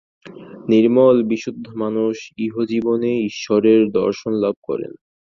নির্মল বিশুদ্ধ মানুষ ইহজীবনেই ঈশ্বরের দর্শনলাভ করেন।